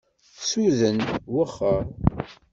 Suden, wexxer.